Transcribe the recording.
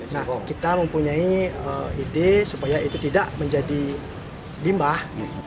nah kita mempunyai ide supaya itu tidak menjadi limbah